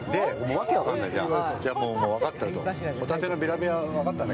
わけわかんないじゃん。